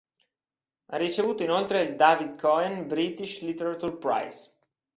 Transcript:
Ha ricevuto inoltre il David Cohen British Literature Prize.